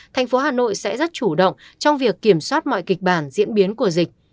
tp hcm sẽ rất chủ động trong việc kiểm soát mọi kịch bản diễn biến của dịch